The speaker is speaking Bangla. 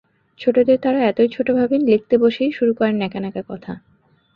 ছোটদের তাঁরা এতই ছোট ভাবেন, লিখতে বসেই শুরু করেন ন্যাকা ন্যাকা কথা।